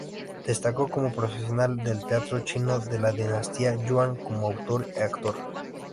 Destacó como profesional del teatro chino de la Dinastía Yuan, como autor y actor.